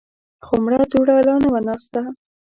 خو مړه دوړه لا نه وه ناسته.